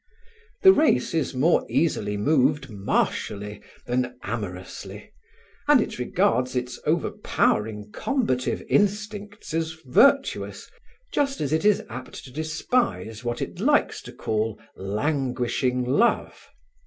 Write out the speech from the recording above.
The race is more easily moved martially than amorously and it regards its overpowering combative instincts as virtuous just as it is apt to despise what it likes to call "languishing love."